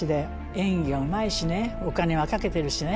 演技はうまいしねお金はかけてるしね。